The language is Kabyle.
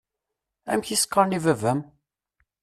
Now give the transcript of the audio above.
Amek i s-qqaṛen i baba-m?